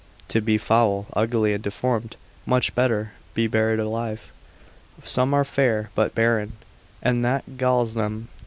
To be foul, ugly, and deformed, much better be buried alive. Some are fair but barren, and that galls them.